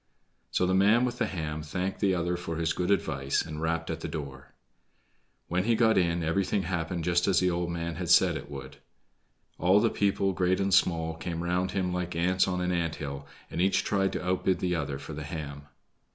So the man with the ham thanked the other for his good advice and rapped at the door. When he got in, everything happened just as the old man had said it would: all the people, great and small, came round him like ants on an ant hill, and each tried to outbid the other for the ham.